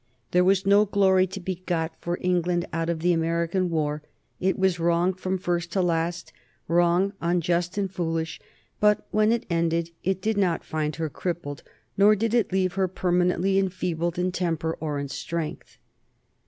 There was no glory to be got for England out of the American war; it was wrong from first to last, wrong, unjust, and foolish, but when it ended it did not find her crippled, nor did it leave her permanently enfeebled in temper or in strength.